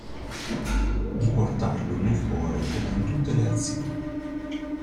Di portarlo nel cuore ed in tutte le azioni.